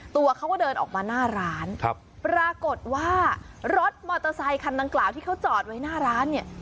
ตัวเขาก็เดินออกมาหน้าร้านครับปรากฏว่ารถมอเตอร์ไซคันดังกล่าวที่เขาจอดไว้หน้าร้านเนี่ย